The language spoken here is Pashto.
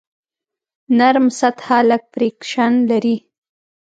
نرم سطحه لږ فریکشن لري.